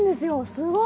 すごい！